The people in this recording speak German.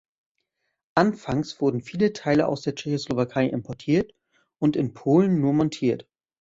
Anfangs wurden viele Teile aus der Tschechoslowakei importiert und in Polen nur montiert.